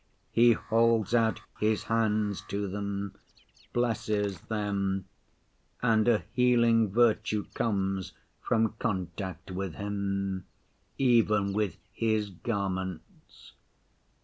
He holds out His hands to them, blesses them, and a healing virtue comes from contact with Him, even with His garments.